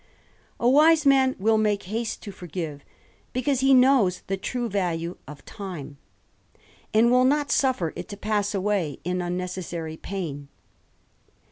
A wise man will make haste to forgive, because he knows the true value of time, and will not suffer it to pass away in nnnecessary pain.